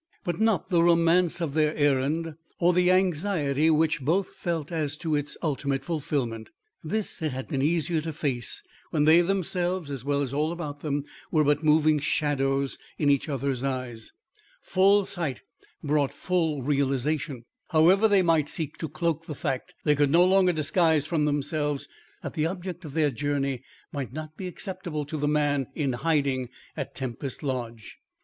But not the romance of their errand, or the anxiety which both felt as to its ultimate fulfilment. This it had been easier to face when they themselves as well as all about them, were but moving shadows in each other's eyes. Full sight brought full realisation. However they might seek to cloak the fact, they could no longer disguise from themselves that the object of their journey might not be acceptable to the man in hiding at Tempest Lodge.